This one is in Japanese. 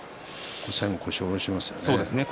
最後は腰を下ろしますね。